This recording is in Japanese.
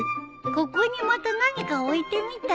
ここにまた何か置いてみたら？